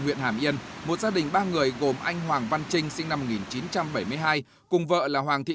huyện hàm yên một gia đình ba người gồm anh hoàng văn trinh sinh năm một nghìn chín trăm bảy mươi hai cùng vợ là hoàng thị